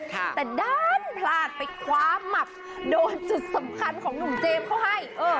แต่ด้านพลาดไปคว้าหมับโดนจุดสำคัญของหนุ่มเจมส์เขาให้